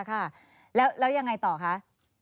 ค่ะแล้วยังไงต่อคะ